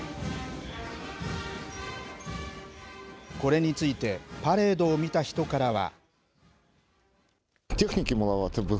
これについて、パレードを見た人からは。